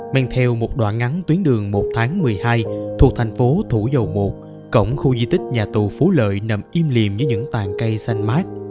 men theo một đoạn ngắn tuyến đường một tháng một mươi hai thuộc thành phố thủ dầu một cổng khu di tích nhà tù phú lợi nằm im liềm với những tàn cây xanh mát